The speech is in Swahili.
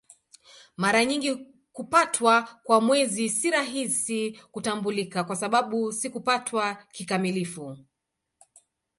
Mara nyingi kupatwa kwa Mwezi si rahisi kutambulika kwa sababu si kupatwa kikamilifu.